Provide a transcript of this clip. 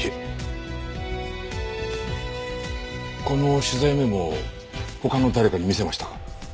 この取材メモを他の誰かに見せましたか？